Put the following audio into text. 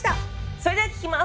それでは聞きます。